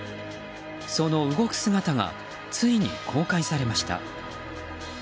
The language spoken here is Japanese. その動く姿がついに公開されました。